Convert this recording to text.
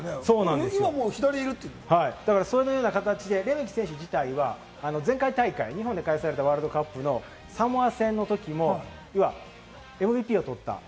今は、もう左にいそういう形で、レメキ選手は前回大会、日本で開催されたワールドカップのサモア戦のときもＭＶＰを取った。